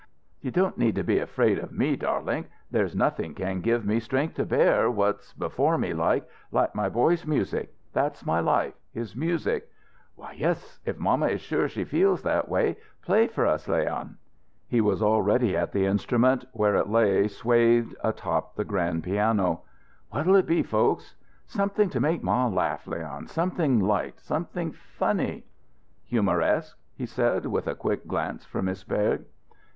"You don't need to be afraid of me, darlink. There's nothing can give me strength to bear what's before me like like my boy's music. That's my life, his music." "Why, yes; if mamma is sure she feels that way, play for us, Leon." He was already at the instrument, where it lay swathed, atop the grand piano. "What'll it be, folks?" "Something to make ma laugh, Leon something light, something funny." "'Humoresque'?" he said, with a quick glance for Miss Berg.